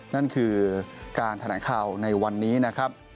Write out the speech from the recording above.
นั่นคือการแถลงข่าวในวันนี้นะครับ